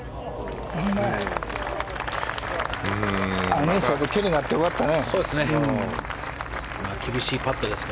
アゲンストで距離があって良かったね。